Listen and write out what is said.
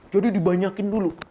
jadi dibanyakin dulu